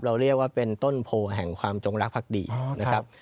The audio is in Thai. เรียกว่าเป็นต้นโพแห่งความจงรักภักดีนะครับ